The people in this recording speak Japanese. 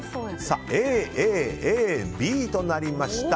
Ａ、Ａ、Ａ、Ｂとなりました。